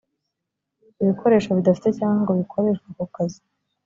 ibikoresho bidafite cyangwa ngo bikoreshwe ako kazi